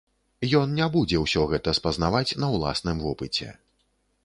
Ён не будзе ўсё гэта спазнаваць на ўласным вопыце.